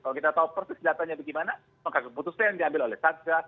kalau kita tahu persis datanya itu gimana maka keputusan yang diambil oleh satgas